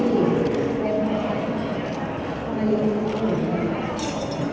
ขอบคุณครับ